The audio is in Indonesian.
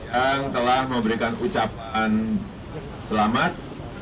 yang telah memberikan ucapan selamat